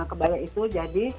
kebaya itu jadi